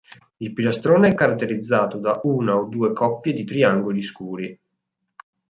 Il piastrone è caratterizzato da una o due coppie di triangoli scuri.